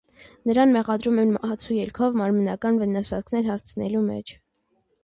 Նրան մեղադրում են մահացու ելքով մարմնական վնասվածքներ հասցնելու մեջ։